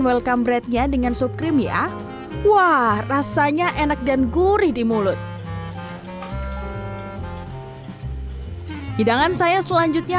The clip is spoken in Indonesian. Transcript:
welcome breadnya dengan sup krim ya wah rasanya enak dan gurih di mulut hidangan saya selanjutnya